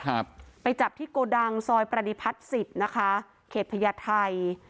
ครับไปจับที่โกดังซอยประดิพัฒน์สิบนะคะเขตพญาไทย